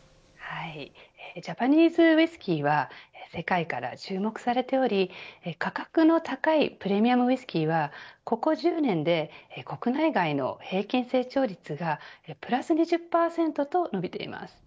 ジャパニーズウイスキーは世界から注目されており価格の高いプレミアムウイスキーはここ１０年で国内外の平均成長率がプラス２０％と伸びています。